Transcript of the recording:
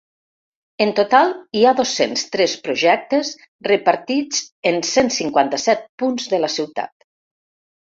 En total, hi ha dos-cents tres projectes repartits en cent cinquanta-set punts de la ciutat.